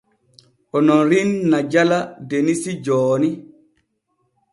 Onomrin na jala Denisi jooni.